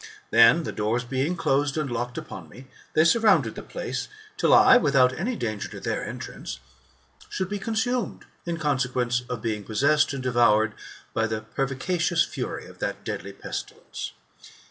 Then, the doors being closed and locked upon me, they surrounded the place, till I, without any danger to their entrance,' should be consumed, in consequence of being possessed and devoured by the per vicacious fury of that deadly pestilence.